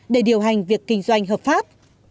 để điều hành việc kinh doanh hợp pháp